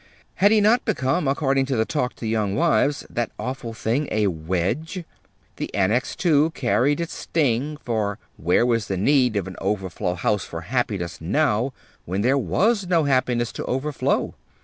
Had he not become, according to the "Talk to Young Wives" that awful thing, a Wedge? The Annex, too, carried its sting; for where was the need of an overflow house for happiness now, when there was no happiness to overflow?